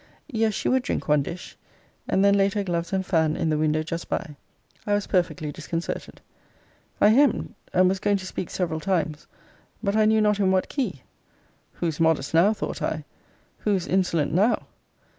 Yes, she would drink one dish; and then laid her gloves and fan in the window just by. I was perfectly disconcerted. I hemm'd, and was going to speak several times; but I knew not in what key. Who's modest now! thought I. Who's insolent now!